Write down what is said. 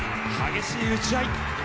激しい打ち合い。